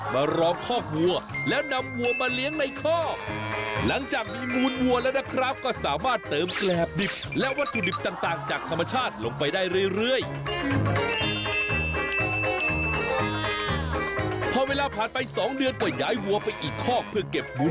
มารองคอกวัวแล้วนำวัวมาเลี้ยงในคอก